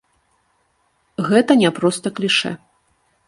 Гэта не проста клішэ.